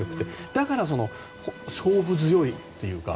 だから、勝負強いというか。